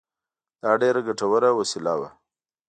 دا ډېره ګټوره وسیله وه